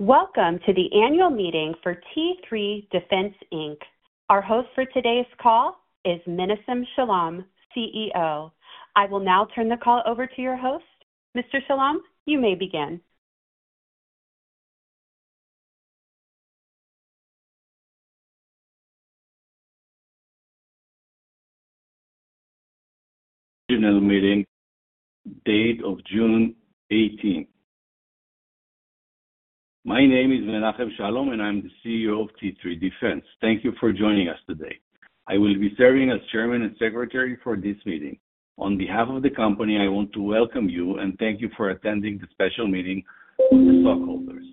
Welcome to the annual meeting for T3 Defense, Inc. Our host for today's call is Menachem Shalom, CEO. I will now turn the call over to your host. Mr. Shalom, you may begin. Annual meeting, date of June 18th. My name is Menachem Shalom, I'm the CEO of T3 Defense. Thank you for joining us today. I will be serving as chairman and secretary for this meeting. On behalf of the company, I want to welcome you and thank you for attending the special meeting of the stockholders.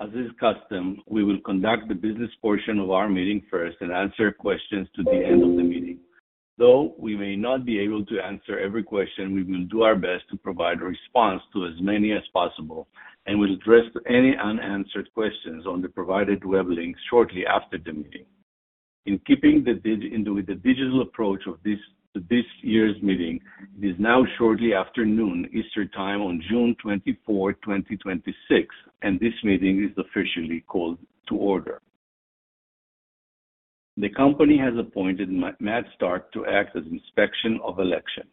As is custom, we will conduct the business portion of our meeting first and answer questions at the end of the meeting. Though we may not be able to answer every question, we will do our best to provide a response to as many as possible and will address any unanswered questions on the provided web link shortly after the meeting. In keeping with the digital approach of this year's meeting, it is now shortly after noon Eastern time on June 24, 2026, this meeting is officially called to order. The company has appointed Matt Stark to act as inspection of election.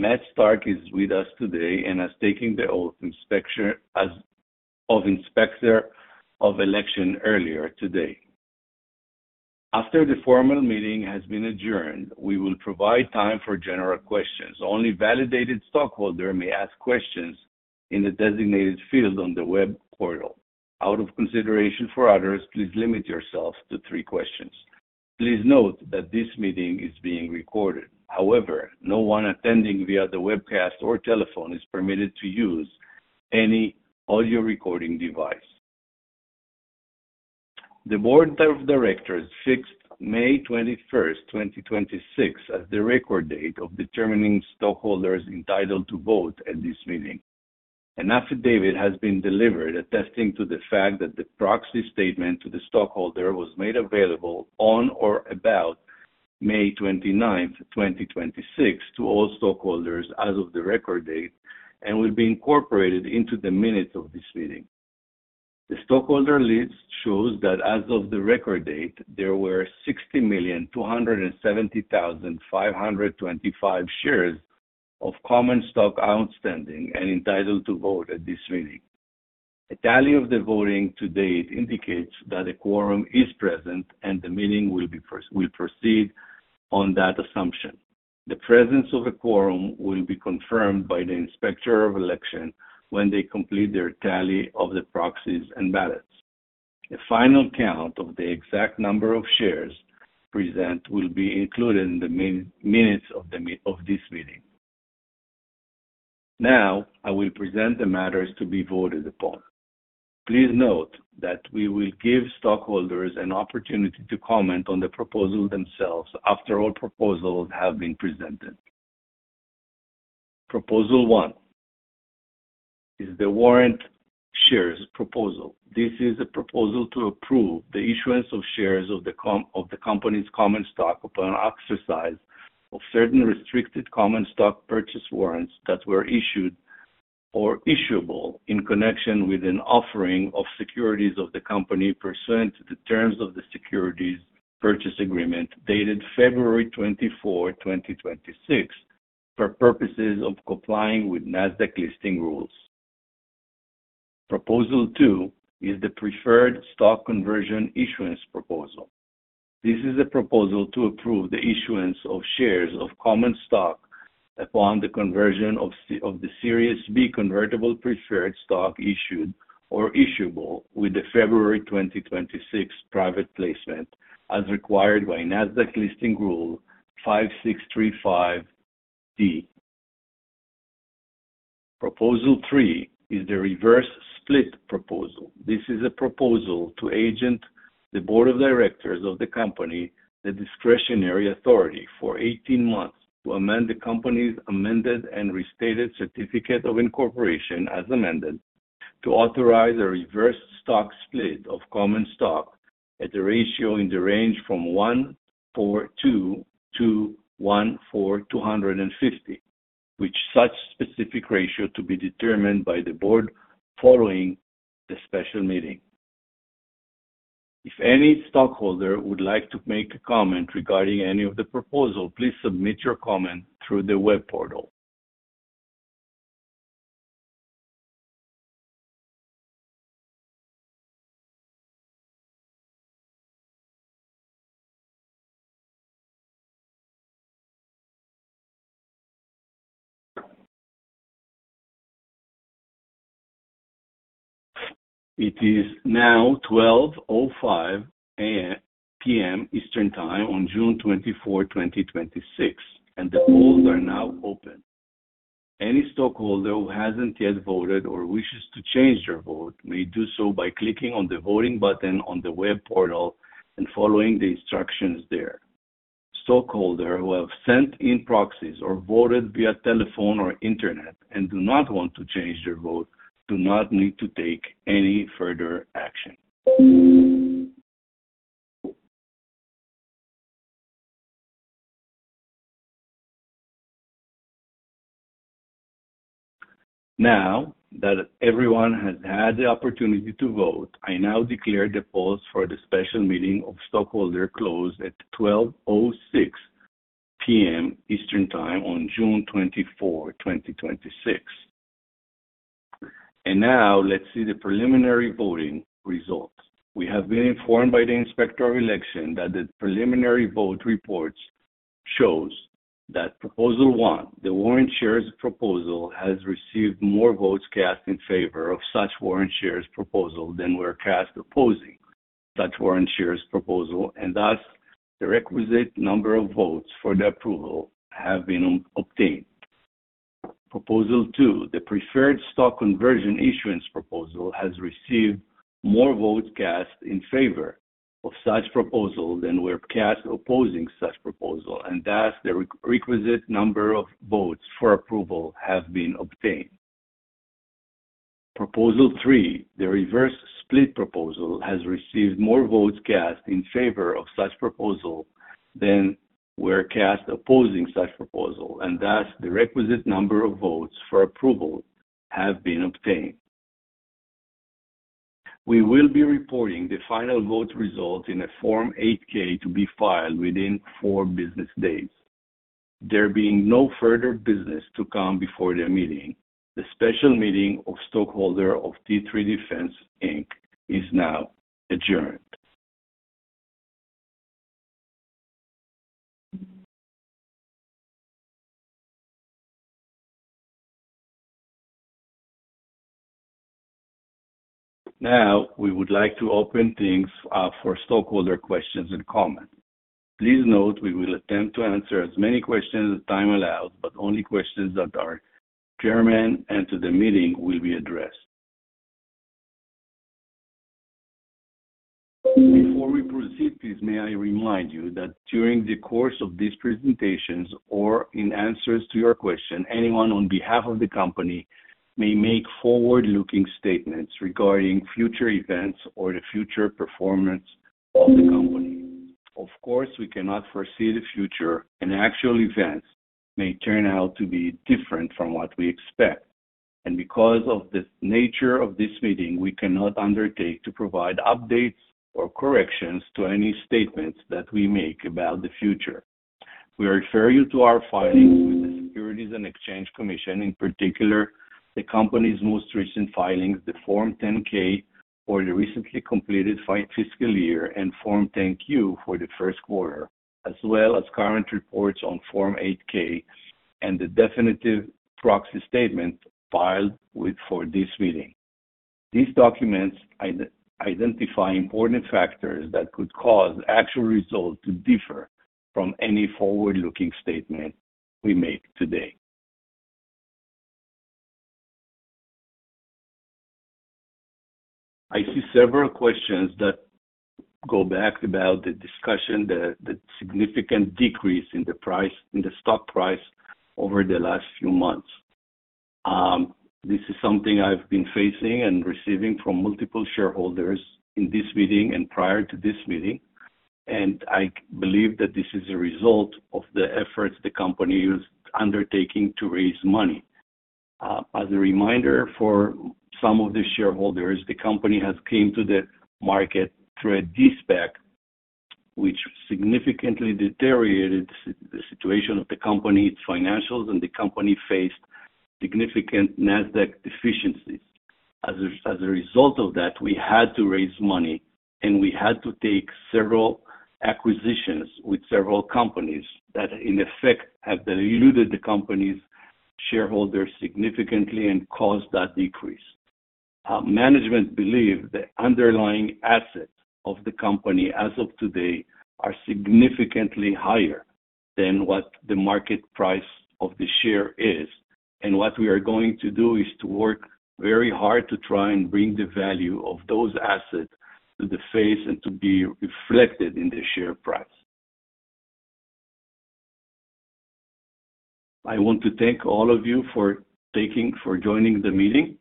Matt Stark is with us today and has taken the oath of inspector of election earlier today. After the formal meeting has been adjourned, we will provide time for general questions. Only validated stockholder may ask questions in the designated field on the web portal. Out of consideration for others, please limit yourself to three questions. Please note that this meeting is being recorded. However, no one attending via the webcast or telephone is permitted to use any audio recording device. The board of directors fixed May 21st, 2026, as the record date of determining stockholders entitled to vote at this meeting. An affidavit has been delivered attesting to the fact that the proxy statement to the stockholder was made available on or about May 29th, 2026, to all stockholders as of the record date and will be incorporated into the minutes of this meeting. The stockholder list shows that as of the record date, there were 60,270,525 shares of common stock outstanding and entitled to vote at this meeting. A tally of the voting to date indicates that a quorum is present, the meeting will proceed on that assumption. The presence of a quorum will be confirmed by the inspector of election when they complete their tally of the proxies and ballots. A final count of the exact number of shares present will be included in the minutes of this meeting. Now, I will present the matters to be voted upon. Please note that we will give stockholders an opportunity to comment on the proposal themselves after all proposals have been presented. Proposal 1 is the warrant shares proposal. This is a proposal to approve the issuance of shares of the company's common stock upon exercise of certain restricted common stock purchase warrants that were issued or issuable in connection with an offering of securities of the company pursuant to the terms of the securities purchase agreement dated February 24, 2026, for purposes of complying with NASDAQ listing rules. Proposal 2 is the preferred stock conversion issuance proposal. This is a proposal to approve the issuance of shares of common stock upon the conversion of the Series B convertible preferred stock issued or issuable with the February 2026 private placement as required by NASDAQ listing rule 5635(d). Proposal 3 is the reverse split proposal. This is a proposal to grant the board of directors of the company, the discretionary authority for 18 months to amend the company's amended and restated certificate of incorporation as amended to authorize a reverse stock split of common stock at the ratio in the range from 1:2 to 1:250, which such specific ratio to be determined by the board following the special meeting. If any stockholder would like to make a comment regarding any of the proposal, please submit your comment through the web portal. It is now 12:05 P.M. Eastern Time on June 24, 2026, and the polls are now open. Any stockholder who hasn't yet voted or wishes to change their vote may do so by clicking on the voting button on the web portal and following the instructions there. Stockholders who have sent in proxies or voted via telephone or internet and do not want to change their vote do not need to take any further action. Now that everyone has had the opportunity to vote, I now declare the polls for the special meeting of stockholder closed at 12:06 P.M. Eastern Time on June 24, 2026. Now let's see the preliminary voting results. We have been informed by the Inspector of Election that the preliminary vote reports shows that Proposal 1, the warrant shares proposal, has received more votes cast in favor of such warrant shares proposal than were cast opposing that warrant shares proposal, and thus, the requisite number of votes for the approval have been obtained. Proposal 2, the preferred stock conversion issuance proposal, has received more votes cast in favor of such proposal than were cast opposing such proposal, and thus the requisite number of votes for approval have been obtained. Proposal 3, the reverse split proposal, has received more votes cast in favor of such proposal than were cast opposing such proposal, and thus the requisite number of votes for approval have been obtained. We will be reporting the final vote results in a Form 8-K to be filed within four business days. There being no further business to come before the meeting, the special meeting of stockholder of T3 Defense Inc is now adjourned. We would like to open things up for stockholder questions and comments. Please note we will attempt to answer as many questions as time allows, but only questions that are germane and to the meeting will be addressed. Before we proceed, please may I remind you that during the course of these presentations or in answers to your question, anyone on behalf of the company may make forward-looking statements regarding future events or the future performance of the company. Of course, we cannot foresee the future, and actual events may turn out to be different from what we expect. Because of the nature of this meeting, we cannot undertake to provide updates or corrections to any statements that we make about the future. We refer you to our filings with the Securities and Exchange Commission, in particular, the company's most recent filings, the Form 10-K for the recently completed fiscal year, and Form 10-Q for the first quarter, as well as current reports on Form 8-K and the definitive proxy statement filed for this meeting. These documents identify important factors that could cause actual results to differ from any forward-looking statement we make today. I see several questions that go back about the discussion, the significant decrease in the stock price over the last few months. This is something I've been facing and receiving from multiple shareholders in this meeting and prior to this meeting. I believe that this is a result of the efforts the company is undertaking to raise money. As a reminder for some of the shareholders, the company has came to the market through a de-SPAC, which significantly deteriorated the situation of the company's financials. The company faced significant NASDAQ deficiencies. As a result of that, we had to raise money. We had to take several acquisitions with several companies that, in effect, have diluted the company's shareholders significantly and caused that decrease. Management believe the underlying assets of the company as of today are significantly higher than what the market price of the share is. What we are going to do is to work very hard to try and bring the value of those assets to the face and to be reflected in the share price. I want to thank all of you for joining the meeting.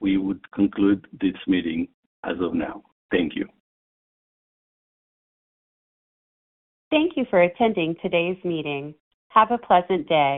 We would conclude this meeting as of now. Thank you. Thank you for attending today's meeting. Have a pleasant day.